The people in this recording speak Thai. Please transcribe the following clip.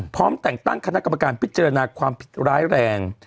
พร้อมแต่งตั้งคณะกรรมการพิจารณาความผิดร้ายแรง